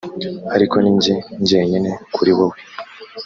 ariko ninjye njyenyije kuri wowe